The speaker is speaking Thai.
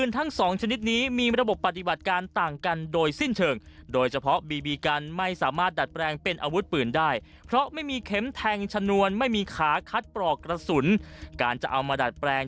ที่มีขาคัดปรอกกระสุนการจะเอามาดัดแปลง